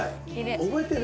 覚えてる？